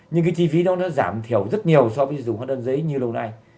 nhưng cái chi phí đó nó giảm thiểu rất nhiều so với dùng hóa đơn giấy như lâu nay